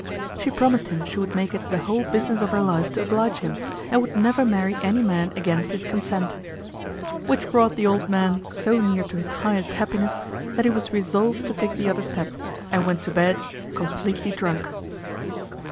She promised him she would make it the whole business of her life to oblige him, and would never marry any man against his consent; which brought the old man so near to his highest happiness, that he was resolved to take the other step, and went to bed completely drunk.